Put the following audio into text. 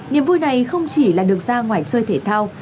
niềm vui này không chỉ là được ra ngoài chơi thể thao